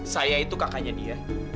saya itu kakaknya dia